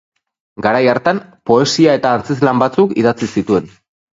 Garai hartan, poesia eta antzezlan batzuk idatzi zituen.